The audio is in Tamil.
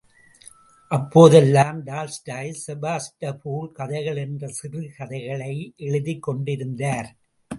அப்போதெல்லாம் டால்ஸ்டாய் செபாஸ்டபூல் கதைகள், என்ற சிறுகதைகளை எழுதிக் கொண்டே இருந்தார்.